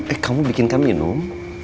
eh kamu bikinkan minum